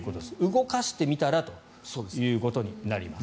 動かしてみたらということになります。